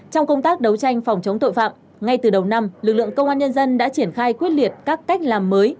trong công tác đấu tranh phòng chống tội phạm ngay từ đầu năm lực lượng công an nhân dân đã triển khai quyết liệt các cách làm mới